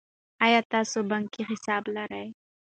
آیا تاسو بانکي حساب لرئ.